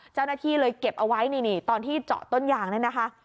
เจ้าหน้าที่เลยเก็บเอาไว้นี่ตอนที่เจาะต้นยางเนี่ยนะคะ